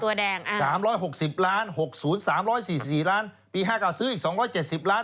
แดง๓๖๐ล้าน๖๐๓๔๔ล้านปี๕๙ซื้ออีก๒๗๐ล้าน